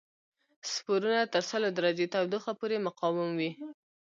سپورونه تر سلو درجو تودوخه پورې مقاوم وي.